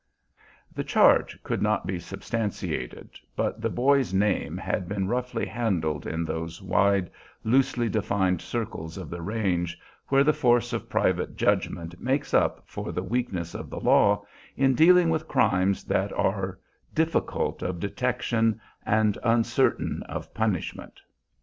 The charge could not be substantiated, but the boy's name had been roughly handled in those wide, loosely defined circles of the range where the force of private judgment makes up for the weakness of the law, in dealing with crimes that are difficult of detection and uncertain of punishment.